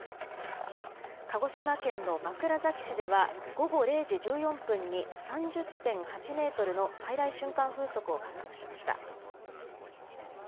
鹿児島県の枕崎市では午後０時１４分に３０．８メートルの最大瞬間風速を観測しました。